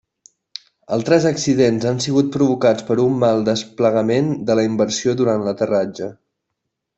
Altres accidents han sigut provocats per un mal desplegament de la inversió durant l'aterratge.